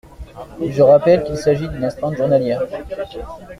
Je rappelle qu’il s’agit d’une astreinte journalière.